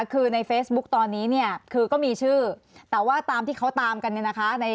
คือในเฟซบุ๊กตอนนี้เนี่ยคือก็มีชื่อแต่ว่าตามที่เขาตามกันเนี่ยนะคะ